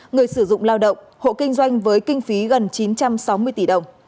người sử dụng lao động hộ kinh doanh với kinh phí gần chín trăm sáu mươi tỷ đồng